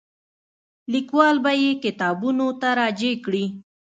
لیکوال به یې کتابونو ته راجع کړي.